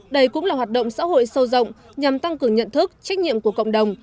đây cũng là hoạt động xã hội sâu rộng nhằm tăng cường nhận thức trách nhiệm của cộng đồng